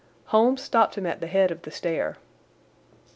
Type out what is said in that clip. Holmes stopped him at the head of the stair.